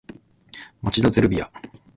町田ゼルビア